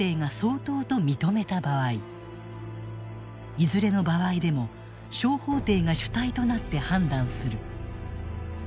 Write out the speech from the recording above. いずれの場合でも小法廷が主体となって判断する。